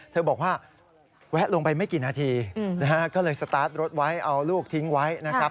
เธอบอกว่าแวะลงไปไม่กี่นาทีนะฮะก็เลยสตาร์ทรถไว้เอาลูกทิ้งไว้นะครับ